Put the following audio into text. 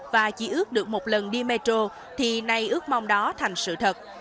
và chỉ ước được một lần đi metro thì nay ước mong đó thành sự thật